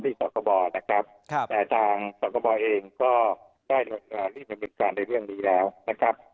ที่ศาลกบนะครับครับแต่ทางศาลกบเองก็ได้รีบเป็นเป็นการในเรื่องนี้แล้วนะครับ